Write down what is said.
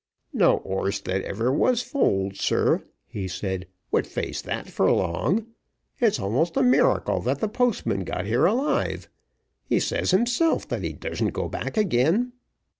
"No horse that ever was foaled, sir," he said, "would face that for long. It's almost a miracle that the postman got here alive. He says himself that he dursn't go back again.